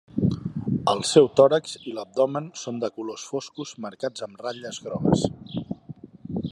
El seu tòrax i l'abdomen són de colors foscos marcats amb ratlles grogues.